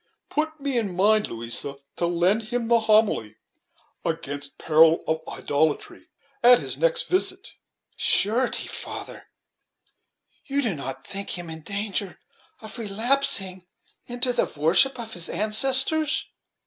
Put me in mind, Louisa, to lend him the homily 'against peril of idolatry,' at his next visit." "Surety, father, you do not think him in danger of relapsing into the worship of his ancestors?"